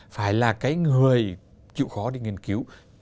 phải là người chịu khó đi nghiên cứu